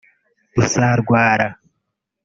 uzarwara